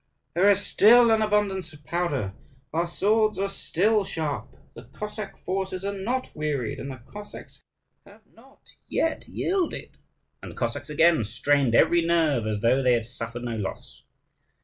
"There is still an abundance of powder; our swords are still sharp; the Cossack forces are not wearied, and the Cossacks have not yet yielded." And the Cossacks again strained every nerve, as though they had suffered no loss.